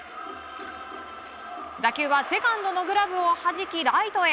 打球はセカンドのグラブをはじきライトへ。